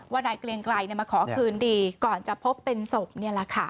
นายเกลียงไกลมาขอคืนดีก่อนจะพบเป็นศพนี่แหละค่ะ